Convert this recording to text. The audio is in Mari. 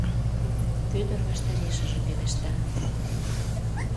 — Вӧдыр ваштарешыже пелешта.